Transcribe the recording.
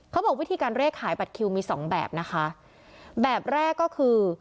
เขาบอกวิธีการเลขขายบัตรคิวมีสองแบบนะคะแบบแรกก็คือ